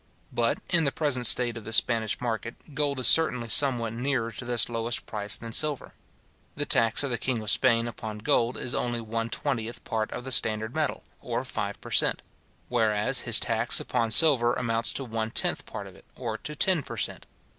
But, in the present state of the Spanish market, gold is certainly somewhat nearer to this lowest price than silver. The tax of the king of Spain upon gold is only one twentieth part of the standard metal, or five per cent.; whereas his tax upon silver amounts to one tenth part of it, or to ten per cent.